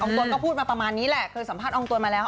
ตนก็พูดมาประมาณนี้แหละเคยสัมภาษณ์อองตวนมาแล้ว